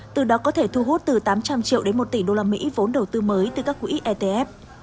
từ đó có thể thu hút từ tám trăm linh triệu đến một tỷ usd vốn đầu tư mới từ các quỹ etf